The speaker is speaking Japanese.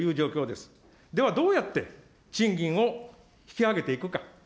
では、どうやって賃金を引き上げていくか。